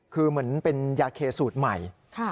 คือเหมือนเป็นยาเคสูตรใหม่